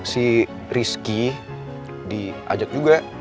si rizky diajak juga